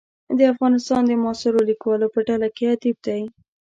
د افغانستان د معاصرو لیکوالو په ډله کې ادیب دی.